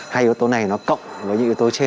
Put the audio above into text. hai yếu tố này nó cộng với những yếu tố trên